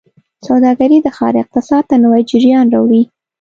سوداګرۍ د ښار اقتصاد ته نوي جریان راوړي.